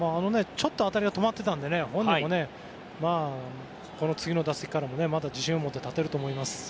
ちょっと当たりは止まってたので本人も次の打席から自信を持って立てると思います。